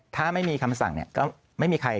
ถ้าไม่มีคำสั่งก็ไม่มีใคร